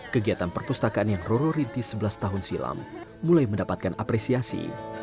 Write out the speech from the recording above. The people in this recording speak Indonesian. kegiatan perpustakaan yang roro rintis sebelas tahun silam mulai mendapatkan apresiasi